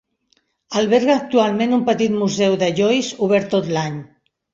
Alberga actualment un petit museu de Joyce, obert tot l'any.